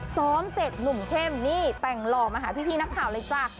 ซ้อมเสร็จหนุ่มเข้มนี่แต่งหล่อมาหาพี่นักข่าวเลยจ้ะ